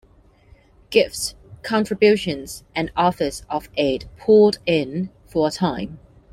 Gifts, contributions and offers of aid poured in for a time.